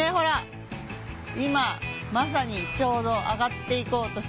今まさにちょうど上がっていこうとしてる。